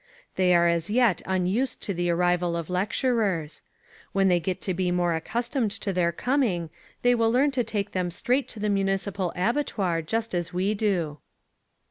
They are as yet unused to the arrival of lecturers. When they get to be more accustomed to their coming, they will learn to take them straight to the municipal abattoir just as we do.